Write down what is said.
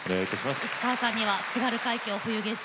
石川さんには「津軽海峡・冬景色」